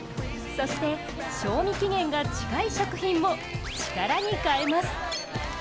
そして、賞味期限が近い食品も力に変えます。